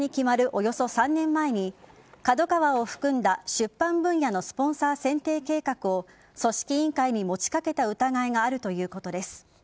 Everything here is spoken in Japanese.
およそ３年前にＫＡＤＯＫＡＷＡを含んだ出版分野のスポンサー選定計画を組織委員会に持ちかけた疑いがあるということです。